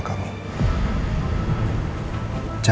segala baik ik osnya